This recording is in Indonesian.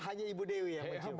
hanya ibu dewi yang mencoba